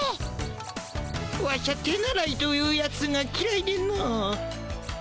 ワシャ手習いというやつがきらいでの。